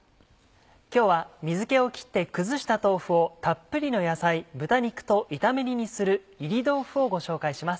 今日は水気を切って崩した豆腐をたっぷりの野菜豚肉と炒め煮にする「炒り豆腐」をご紹介します。